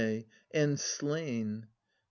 And slain! A.